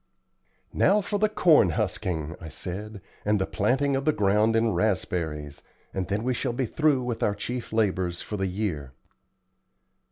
"Now for the corn husking," I said, "and the planting of the ground in raspberries, and then we shall be through with our chief labors for the year."